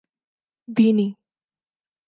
بینی